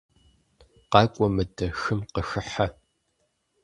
КъакӀуэ мыдэ, хым къыхыхьэ.